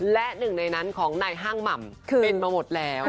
และหนึ่งในนั้นของนายห้างหม่ำเป็นมาหมดแล้ว